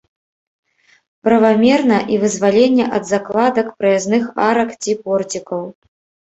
Правамерна і вызваленне ад закладак праязных арак ці порцікаў.